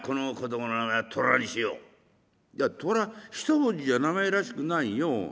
「いや虎一文字じゃ名前らしくないよ。